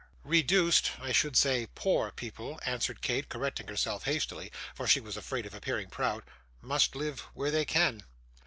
'Reduced I should say poor people,' answered Kate, correcting herself hastily, for she was afraid of appearing proud, 'must live where they can.